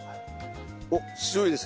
おっ強いですね